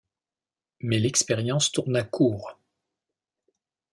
Mais l'expérience tourna court.